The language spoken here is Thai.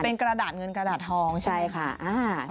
เป็นกระดาษเงินกระดาษทองใช่ค่ะ